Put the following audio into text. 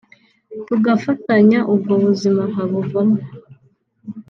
tugafatanya ubwo buzima nkabuvamo